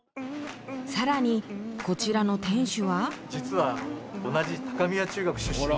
更にこちらの店主は。